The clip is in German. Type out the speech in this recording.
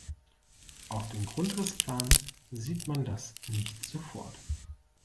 Auf dem Grundrissplan sieht man das nicht sofort.